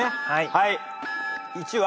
はい。